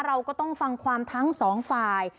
เราก็ต้องฟังความทั้งสองฝ่าย